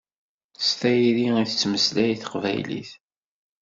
S tayri i tettmeslay taqbaylit.